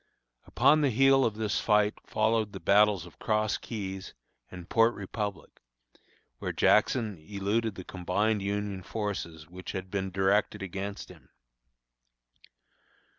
Upon the heel of this fight followed the battles of Cross Keys, and Port Republic, where Jackson eluded the combined Union forces which had been directed against him.